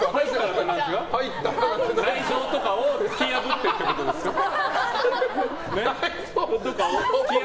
内臓とかを突き破ってってことですかね。